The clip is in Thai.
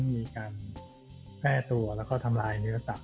มีการแพร่ตัวแล้วก็ทำลายเนื้อสัตว